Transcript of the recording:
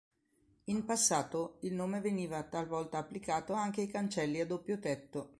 In passato, il nome veniva talvolta applicato anche ai cancelli a doppio tetto.